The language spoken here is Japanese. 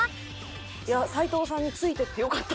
「いや齊藤さんについていってよかった」。